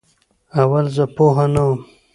اول زه پوهه نه وم